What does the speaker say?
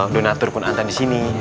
donatur kunhanta disini